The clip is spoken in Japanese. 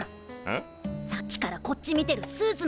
さっきからこっち見てるスーツの男がいるぞ。